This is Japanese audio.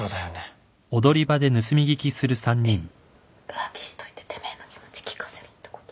浮気しといててめえの気持ち聞かせろってこと？